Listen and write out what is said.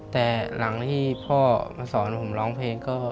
แต่หลังที่พ่อมาสอนผมร้องเพลงก็